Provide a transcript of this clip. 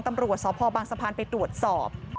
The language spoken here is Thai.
ตำรวจสพบางสะพานไปตรวจสอบ